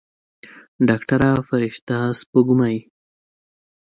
ډاکتره فرشته سپوږمۍ.